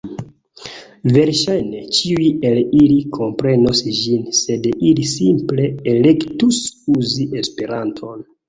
Verŝajne, ĉiuj el ili komprenos ĝin, sed ili simple elektus uzi Esperanton.